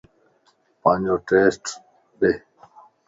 پانجو ٽيسٽ ڏي